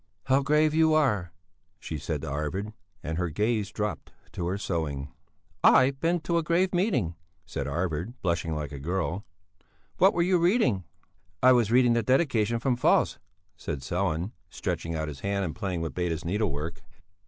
"How grave you are," she said to Arvid, and her gaze dropped to her sewing. "I've been to a grave meeting," said Arvid, blushing like a girl. "What were you reading?" "I was reading the Dedication from Faust," said Sellén, stretching out his hand and playing with Beda's needlework.